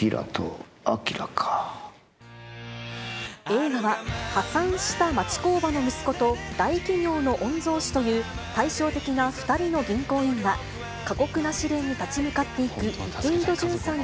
映画は、破産した町工場の息子と、大企業の御曹子という、対照的な２人の銀行員が、過酷な試練に立ち向かっていく、池井戸潤さん